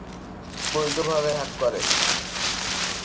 বৈধভাবে কাকে হ্যাক করে?